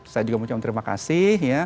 saya juga mau ucapkan terima kasih